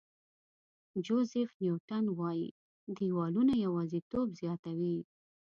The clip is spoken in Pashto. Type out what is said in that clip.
جوزیف نیوټن وایي دیوالونه یوازېتوب زیاتوي.